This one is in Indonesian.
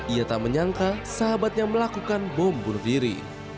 ia tak menyangka sahabatnya melakukan bombur diri